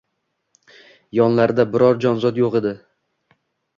Yonlarida biror-bir jonzot yo‘q edi.